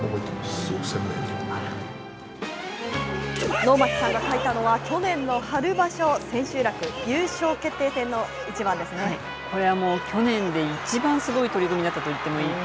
能町さんが描いたのは去年の春場所千秋楽、これはもう、去年で一番すごい取組だったと言ってもいいかと。